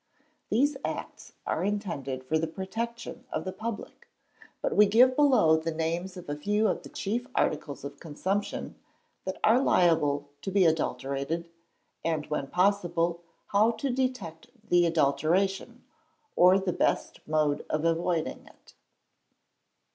These Acts are intended for the protection of the public; but we give below the names of a few of the chief articles of consumption that are liable to be adulterated, and when possible how to detect the adulteration, or the best mode of avoiding it.